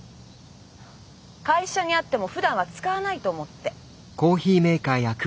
会社にあってもふだんは使わないと思って。